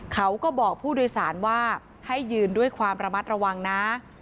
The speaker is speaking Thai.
เขาก็บอกผู้โดยสารว่าให้ยืนด้วยความระมัดระวังนะ